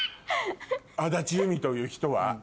安達祐実という人は。